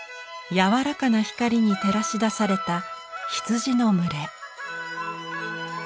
柔らかな光に照らし出された羊の群れ。